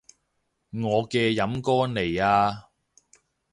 我嘅飲歌嚟啊